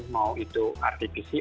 mau itu artifisik